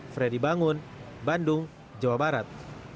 freddy bangun bandung jawa barat